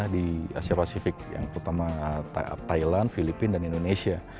di asia pasifik yang terutama thailand filipina dan indonesia